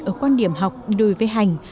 ở quan điểm học đối với hành